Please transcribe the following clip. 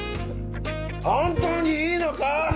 本当にいいのか？